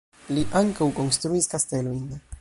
Li ankaŭ konstruis kastelojn.